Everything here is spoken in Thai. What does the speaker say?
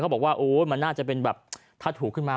บอกว่าโอ๊ยมันน่าจะเป็นแบบถ้าถูกขึ้นมา